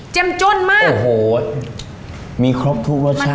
จ้นมากโอ้โหมีครบทุกรสชาติ